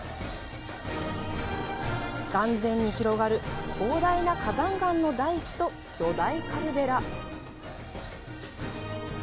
眼前に広がる広大な火山岩の大地と巨大カルデラ。